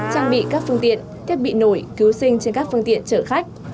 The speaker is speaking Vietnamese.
trang bị các phương tiện thiết bị nổi cứu sinh trên các phương tiện chở khách